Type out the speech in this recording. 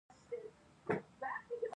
د سرسونو غوړي د څه لپاره وکاروم؟